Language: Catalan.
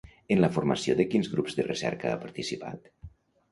En la formació de quins grups de recerca ha participat?